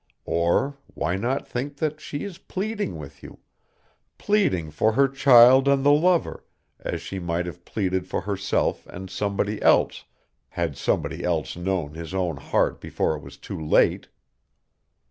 Or why not think that she is pleading with you pleading for her child and the lover, as she might have pleaded for herself and somebody else, had somebody else known his own heart before it was too late?